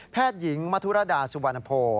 แพทย์หญิงมทุรดาสุวรรณโภ